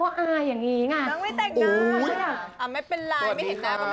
อลุ้ยยยยไม่เป็นไร